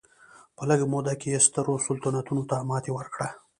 په لږه موده کې یې سترو سلطنتونو ته ماتې ورکړه.